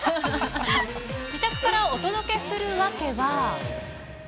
自宅からお届けする訳は。